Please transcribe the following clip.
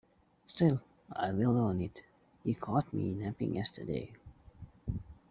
Still, I will own it, you caught me napping yesterday.